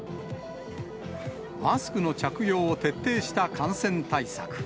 マスクの着用を徹底した感染対策。